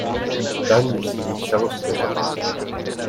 Daň musí být celosvětová.